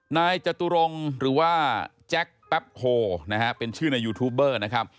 นายจตุรงค์หรือว่าแจ็คแป๊บโฮนะฮะเป็นชื่อในยูทูบเบอร์นะครับ